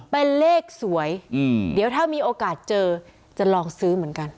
เป็นเลขสวยเดี๋ยวถ้ามีโอกาสเจอจะลองซื้อเหมือนกัน